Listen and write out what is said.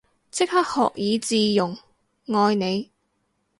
即刻學以致用，愛你